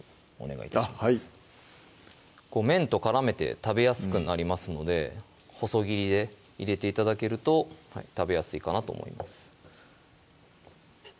はい麺と絡めて食べやすくなりますので細切りで入れて頂けると食べやすいかなと思います